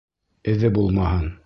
Эҙе булмаһын!